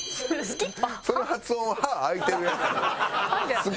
その発音は歯空いてるやつやから。